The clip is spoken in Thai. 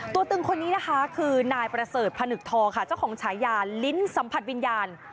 ตึงคนนี้นะคะคือนายประเสริฐพนึกทองค่ะเจ้าของฉายาลิ้นสัมผัสวิญญาณ